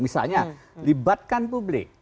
misalnya libatkan publik